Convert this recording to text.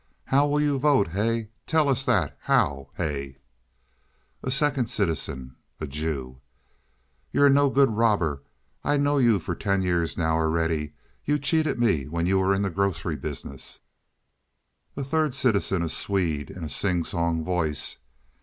"How will you vote, hey? Tell us that! How? Hey?" A Second Citizen (a Jew). "You're a no good, you robber. I know you for ten years now already. You cheated me when you were in the grocery business." A Third Citizen (a Swede. In a sing song voice).